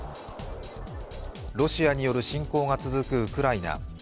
ロシアによる侵攻が続くウクライナ。